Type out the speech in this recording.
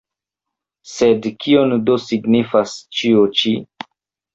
Sed kion do signifas ĉio ĉi?